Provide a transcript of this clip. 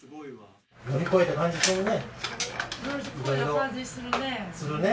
乗り越えた感じするね。